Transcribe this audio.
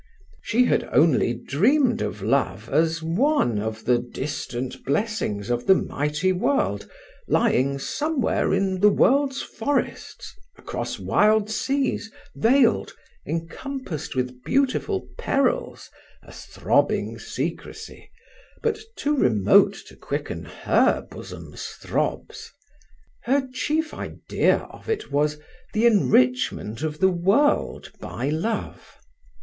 She had only dreamed of love as one of the distant blessings of the mighty world, lying somewhere in the world's forests, across wild seas, veiled, encompassed with beautiful perils, a throbbing secrecy, but too remote to quicken her bosom's throbs. Her chief idea of it was, the enrichment of the world by love.